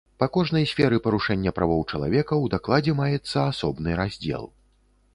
Па кожнай сферы парушэння правоў чалавека ў дакладзе маецца асобны раздзел.